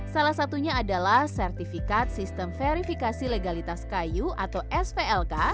salah satunya adalah sertifikat sistem verifikasi legalitas kayu atau svlk